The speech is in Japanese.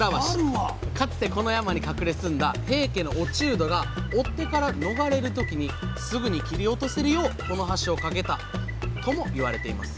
かつてこの山に隠れ住んだ平家の落人が追っ手から逃れる時にすぐに切り落とせるようこの橋を架けたとも言われています。